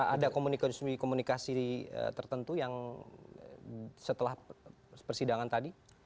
ada komunikasi komunikasi tertentu yang setelah persidangan tadi